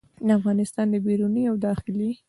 د افغانستان د بیروني او داخلي